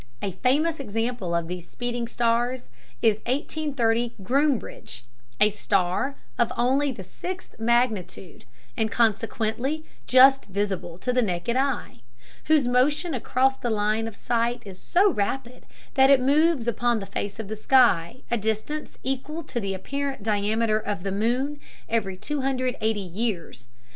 A famous example of these speeding stars is "1830 Groombridge," a star of only the sixth magnitude, and consequently just visible to the naked eye, whose motion across the line of sight is so rapid that it moves upon the face of the sky a distance equal to the apparent diameter of the moon every 280 years.